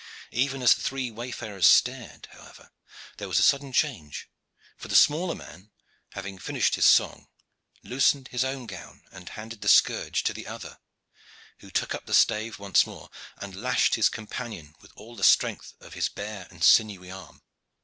Even as the three wayfarers stared, however, there was a sudden change, for the smaller man, having finished his song, loosened his own gown and handed the scourge to the other, who took up the stave once more and lashed his companion with all the strength of his bare and sinewy arm.